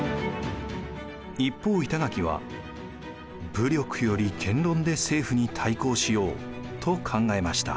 一方板垣は武力より言論で政府に対抗しようと考えました。